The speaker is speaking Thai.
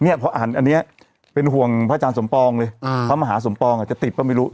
เนี่ยพออ่านอันนี้เป็นห่วงพระอาจารย์สมปรองเลยพระมหาสมปรองจะติดป่ะไม่รู้